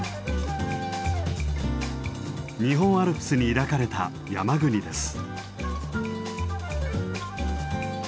日本アルプスに抱かれた山国です。